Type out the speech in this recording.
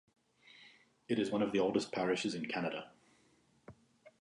It is one of the oldest parishes in Canada.